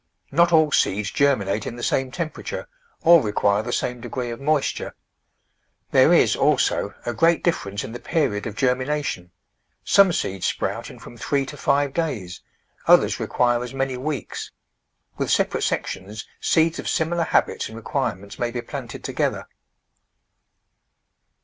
Not all seeds germinate in the same temperature, or require the same degree of moisture. There is, also, a great difference in the period of germination ; some seeds sprout in from three to five days; others require as many weeks. With separate sections seeds of similar habits and requirements may be planted to gether.